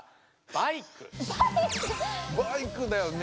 バイクだよね。